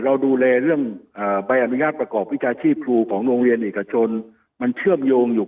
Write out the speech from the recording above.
เราดูแลเรื่องใบอนุญาตประกอบวิชาชีพครูของโรงเรียนเอกชนมันเชื่อมโยงอยู่